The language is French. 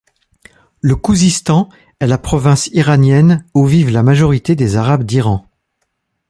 Le Khouzistan est la province Iranienne où vivent la majorité des Arabes d'Iran.